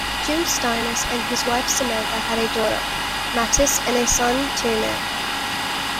Jim Stynes and his wife Samantha have a daughter, Matisse, and a son, Tiernan.